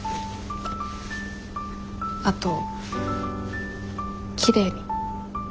あときれいに。